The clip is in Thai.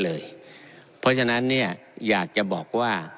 เลยเพราะฉะนั้นเนี่ยอยากจะบอกว่า